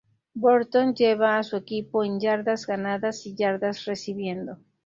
Burton llevó a su equipo en yardas ganadas y yardas recibiendo.